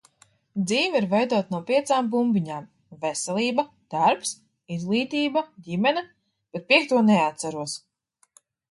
Dzīve ir veidota no piecām bumbiņām - veselība, darbs, izglītība, ģimene, bet piekto neatceros.